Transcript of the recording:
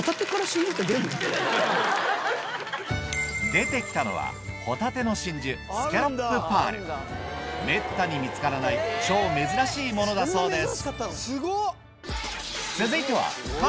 出てきたのはめったに見つからない超珍しいものだそうです